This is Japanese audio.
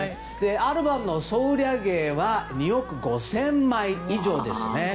アルバムの総売り上げは２億５０００万枚以上ですね。